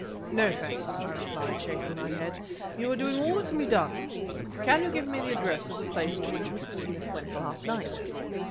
"No, thanks," I replied, shaking my head. "You are doing all that can be done. Can you give me the address of the place to which Mr. Smith went last night?"